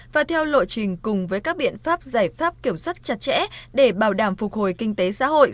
và theo lộ trình cùng với các biện pháp giải pháp kiểm soát chặt chẽ để bảo đảm phục hồi kinh tế xã hội